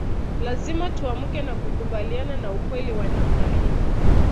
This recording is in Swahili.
Lazima tuamke na kukubaliana na ukweli wa namna hii